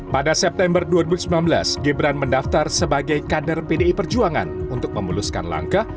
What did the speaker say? pada september dua ribu sembilan belas gibran mendaftar sebagai kader pdi perjuangan untuk memuluskan langkah